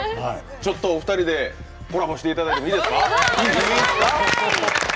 ちょっとお二人でコラボしていただいてもいいですか。